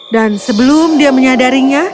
dan sebelum dia menyadarinya